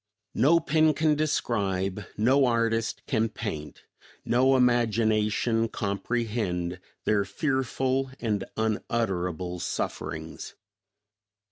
No pen can describe, no artist can paint, no imagination comprehend their fearful and unutterable sufferings.